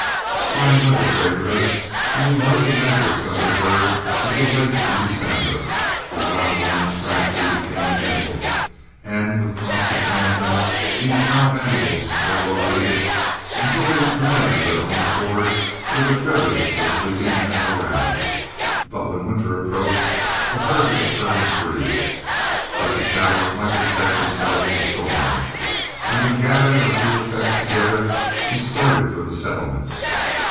Fine weather favored us and we held the mavericks under herd until late in December. The wild ones gradually became gentle, and with constant handling these wild animals were located until they would come in of their own accord for the privilege of sleeping in a corral. But when winter approached the herd was turned free, that the cattle might protect themselves from storms, and we gathered our few effects together and started for the settlements.